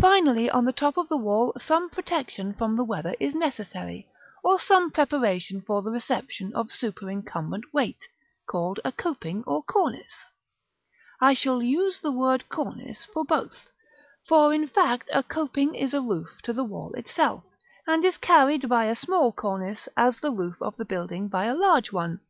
Finally, on the top of the wall some protection from the weather is necessary, or some preparation for the reception of superincumbent weight, called a coping, or Cornice. I shall use the word Cornice for both; for, in fact, a coping is a roof to the wall itself, and is carried by a small cornice as the roof of the building by a large one.